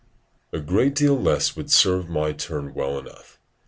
] A great deal less would serve my turn well enough.